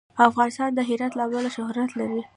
افغانستان د هرات له امله شهرت لري.